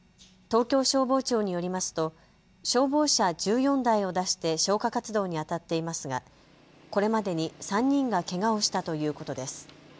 東京消防庁によりますと消防車１４台を出して消火活動にあたっていますが、これまでに３人がけがをしたということです。